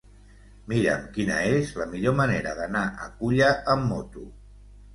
Mira'm quina és la millor manera d'anar a Culla amb moto.